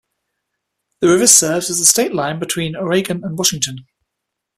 The river serves as the state line between Oregon and Washington.